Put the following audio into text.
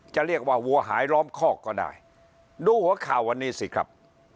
จะเรียกว่าวัวหายล้อมคอกก็ได้ดูหัวข่าววันนี้สิครับ